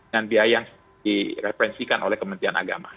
dan biaya yang direferensikan oleh kementerian agama